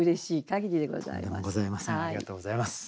ありがとうございます。